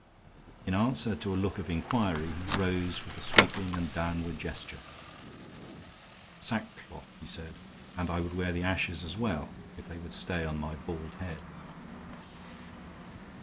In answer to a look of inquiry, he rose with a sweeping and downward gesture. "Sackcloth," he said; "and I would wear the ashes as well if they would stay on my bald head."